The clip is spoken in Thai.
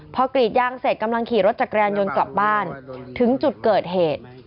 พอกรีดยางเสร็จกำลังขี่รถจักรยานยนต์กลับบ้านถึงจุดเกิดเหตุ